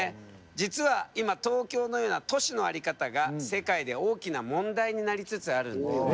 実は今東京のような都市の在り方が世界で大きな問題になりつつあるんだよね。